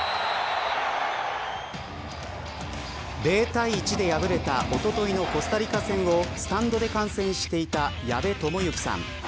０対１で敗れたおとといのコスタリカ戦をスタンドで観戦していた矢部智之さん。